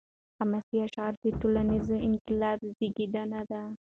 حماسي اشعار د ټولنیز انقلاب زیږنده دي.